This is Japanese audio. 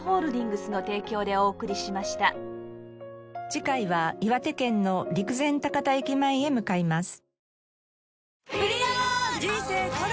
次回は岩手県の陸前高田駅前へ向かいます。